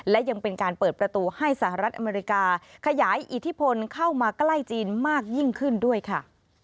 และยังเป็นการเปิดประตูให้สหรัฐอเมริกาขยายอิทธิพลเข้ามาใกล้จีนมากยิ่งขึ้นด้วยค่ะ